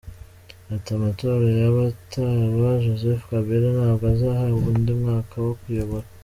Ati” Amatora yaba ataba, Joseph Kabila ntabwo azahabwa undi mwaka wo kuyobora.